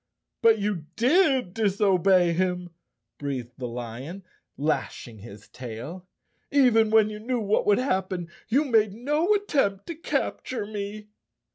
" But you did disobey him," breathed the lion, lash¬ ing his tail. "Even when you knew what would hap¬ pen, you made no attempt to capture me!"